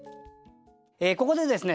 ここでですね